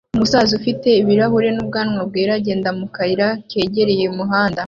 Umusaza ufite ibirahure n'ubwanwa bwera agenda mu kayira kegereye umuhanda